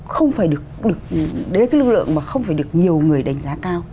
không phải đến cái lưu lượng mà không phải được nhiều người đánh giá cao